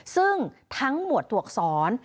ซึ่งทั้งหมวดตรวกสอน